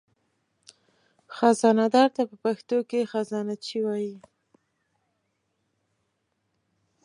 خزانهدار ته په پښتو کې خزانهچي وایي.